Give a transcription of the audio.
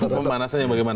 pemanasan yang bagaimana pak